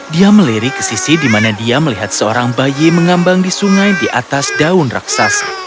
dia melirik ke sisi di mana dia melihat seorang bayi mengambang di sungai di atas daun raksasa